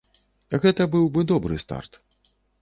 Гэта быў бы добры старт.